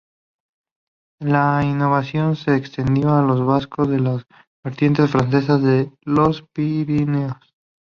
La innovación se extendió a los vascos de la vertiente francesa de los Pirineos.